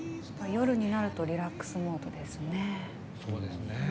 夜になるとリラックスモードですね。